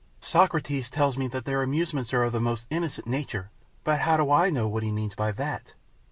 Socrates tells me that their amusements are of a most innocent nature, but how do I know what he means by that?